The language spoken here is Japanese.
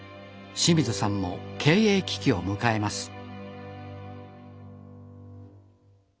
清水さんも経営危機を迎えます